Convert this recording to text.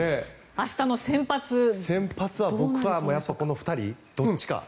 明日の先発はやっぱり、この２人どっちか。